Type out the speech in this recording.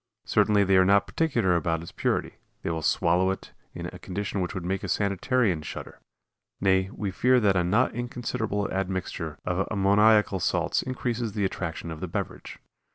Certainly they are not particular about its purity; they will swallow it in a condition which would make a sanitarian shudder; nay, we fear that a not inconsiderable admixture of ammoniacal salts increases the attraction of the beverage.